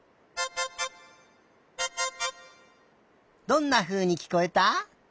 どんなふうにきこえた？